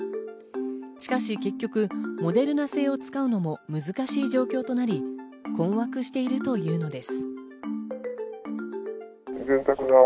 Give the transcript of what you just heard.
しかし結局、モデルナ製を使うのも難しい状況となり、困惑しているというのです。